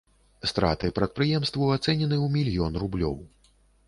Страты прадпрыемству ацэнены ў мільён рублёў.